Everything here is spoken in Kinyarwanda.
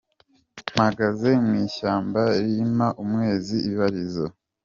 Mpagaze mu ishyamba rimpa umwezi:Ibarizo.